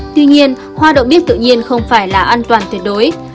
tuy nhiên hoa đậu bếp tự nhiên không phải là an toàn tuyệt đối